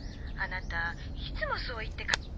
あなたいつもそう言ってか。